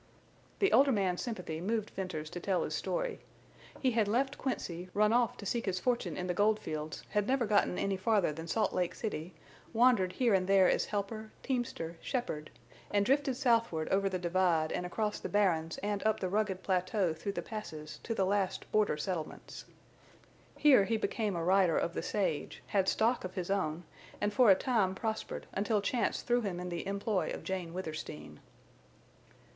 The older man's sympathy moved Venters to tell his story. He had left Quincy, run off to seek his fortune in the gold fields had never gotten any farther than Salt Lake City, wandered here and there as helper, teamster, shepherd, and drifted southward over the divide and across the barrens and up the rugged plateau through the passes to the last border settlements. Here he became a rider of the sage, had stock of his own, and for a time prospered, until chance threw him in the employ of Jane Withersteen.